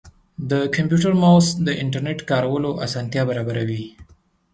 د کمپیوټر ماؤس د انټرنیټ کارولو اسانتیا برابروي.